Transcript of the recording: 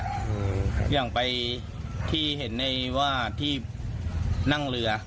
คืออย่างไปที่เห็นในว่าที่นั่งเรือ